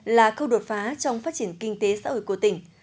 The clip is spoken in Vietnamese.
là khâu đột phá trong phát triển kinh tế xã hội của tỉnh